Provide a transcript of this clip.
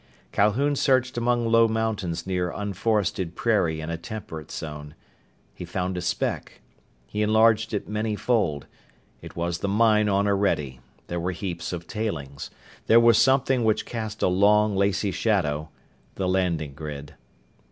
Calhoun searched among low mountains near unforested prairie in a temperate zone. He found a speck. He enlarged it manyfold. It was the mine on Orede. There were heaps of tailings. There was something which cast a long, lacy shadow: the landing grid.